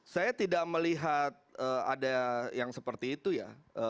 saya tidak melihat ada yang seperti itu ya